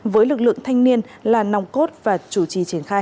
với lực lượng thanh niên là nòng cốt và chủ trì triển khai